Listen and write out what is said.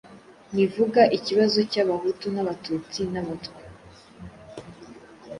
ntivuga ikibazo cy'Abahutu n'Abatutsi n'Abatwa.